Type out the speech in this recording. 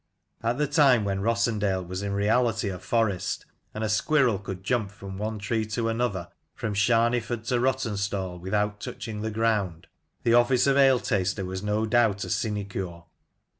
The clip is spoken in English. At the time when Rossendale was in reality a forest, and a squirrel could jump from one tree to another from Sharneyford to Rawtenstall without touching the ground, the office of ale taster was no doubt a sinecure.